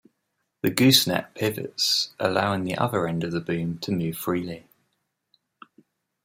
The gooseneck pivots allowing the other end of the boom to move freely.